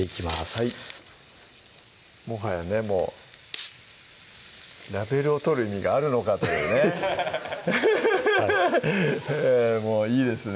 はいもはやねもうラベルを取る意味があるのかというねアハハハハッいいですね